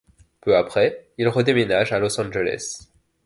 Peu après, il redéménage à Los Angeles.